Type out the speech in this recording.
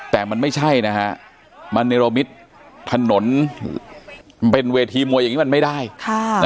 แต่มันไม่ใช่นะฮะมันเนรมิตถนนเป็นเวทีมวยอย่างนี้มันไม่ได้ค่ะ